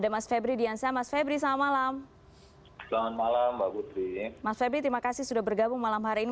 mas febri terima kasih sudah bergabung malam hari ini